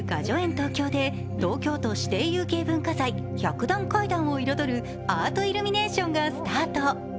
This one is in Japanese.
東京で東京都指定有形文化財百段階段を彩るアートイルミネーションがスタート。